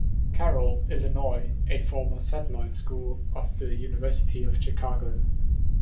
Carroll, Illinois, a former satellite school of the University of Chicago.